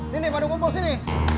sini padung kumpul sini